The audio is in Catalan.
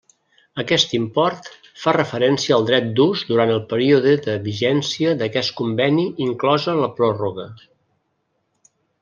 Aquest import fa referència al dret d'ús durant el període de vigència d'aquest conveni inclosa la pròrroga.